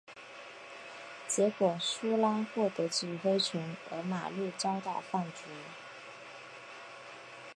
结果苏拉获得指挥权而马略遭到放逐。